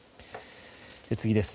次です。